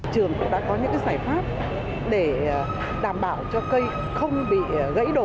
trường cũng đã có những giải pháp để đảm bảo cho cây không bị gãy đổ